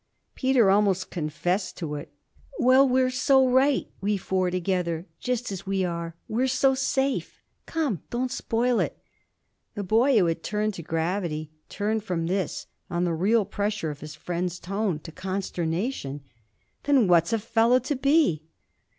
Peter almost confessed to it. 'Well, we're so right we four together just as we are. We're so safe. Come, don't spoil it.' The boy, who had turned to gravity, turned from this, on the real pressure of his friend's tone, to consternation. 'Then what's a fellow to be?'